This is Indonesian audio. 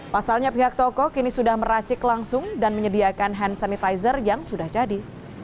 pasalnya pihak toko kini sudah meracik langsung dan menyediakan hand sanitizer yang sudah jadi